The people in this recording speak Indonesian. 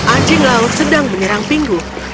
anjing laut sedang menyerang pingu